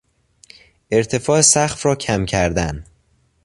ارتفاع سقف را کم کردن